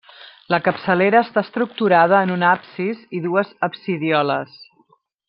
La capçalera està estructurada en un absis i dues absidioles.